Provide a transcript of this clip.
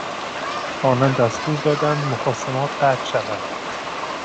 آنان دستور دادند مخاصمات قطع شود.